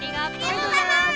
ありがとうございます！